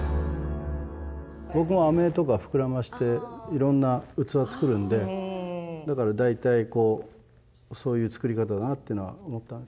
僕もあめとか膨らましていろんな器作るんでだから大体こうそういう作り方だなってのは思ったんですけど。